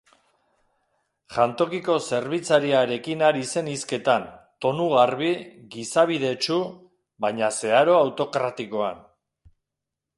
Jantokiko zerbitzariarekin ari zen hizketan, tonu garbi, gizabidetsu baina zeharo autokratikoan.